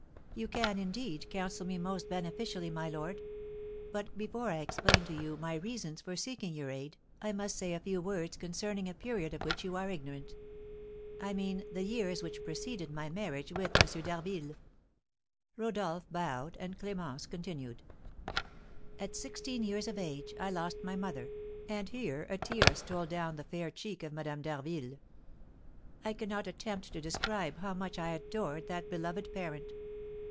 "You can, indeed, counsel me most beneficially, my lord. But, before I explain to you my reasons for seeking your aid, I must say a few words concerning a period of which you are ignorant, I mean the years which preceded my marriage with M. d'Harville." Rodolph bowed, and Clémence continued: "At sixteen years of age I lost my mother (and here a tear stole down the fair cheek of Madame d'Harville). I cannot attempt to describe how much I adored that beloved parent.